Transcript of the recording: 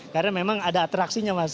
karena memang ada atraksinya mas